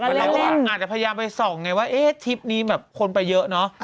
มากกว่าอาจประยามไปส่องนะไงว่าเอ๊ะจิ๊บนี้คนไปเยอะ